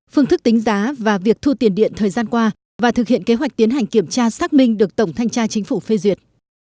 phương thức tính giá và việc thu tiền điện thời gian qua và thực hiện kế hoạch tiến hành kiểm tra xác minh được tổng thanh tra chính phủ phê duyệt